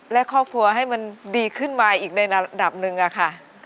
และครอบครัวให้มันดีขึ้นมาอีกในระดับหนึ่งอะค่ะ